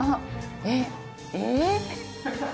えっえっ！？